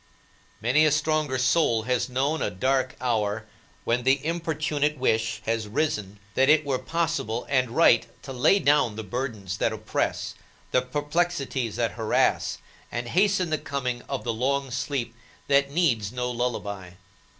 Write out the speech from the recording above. Many a stronger soul has known a dark hour when the importunate wish has risen that it were possible and right to lay down the burdens that oppress, the perplexities that harass, and hasten the coming of the long sleep that needs no lullaby.